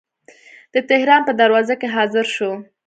د تهران په دروازه کې حاضر شو.